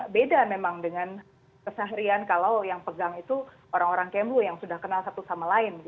beda memang dengan keseharian kalau yang pegang itu orang orang kemo yang sudah kenal satu sama lain